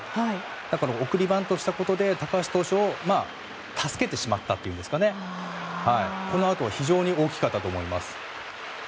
だから、送りバントしたことで高橋投手を助けてしまったというかこのあと非常に大きかったと思います。